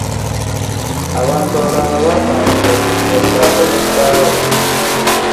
Abantu abalala baatandika okuggya saako ne bbawe.